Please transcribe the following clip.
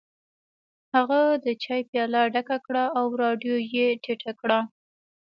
هغه د چای پیاله ډکه کړه او رادیو یې ټیټه کړه